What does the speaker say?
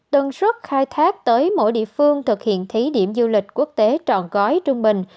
tần suất khai thác tới mỗi địa phương thực hiện thí điểm du lịch quốc tế trọn gói trung bình